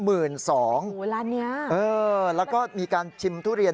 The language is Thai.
อู๋ร้านนี้เออแล้วก็มีการชิมทุเรียน